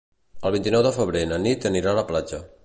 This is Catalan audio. El vint-i-nou de febrer na Nit anirà a la platja.